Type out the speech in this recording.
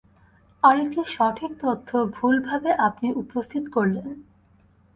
আরেকটি সঠিক তঁথ্য ভুলভাবে আপনি উপস্থিত করলেন।